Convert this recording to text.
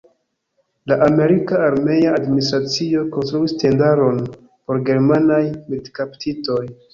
La amerika armea administracio konstruis tendaron por germanaj militkaptitoj.